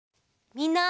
みんな！